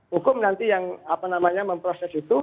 hukum nanti yang memproses itu